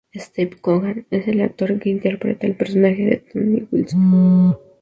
Steve Coogan es el actor que interpreta el personaje de Tony Wilson.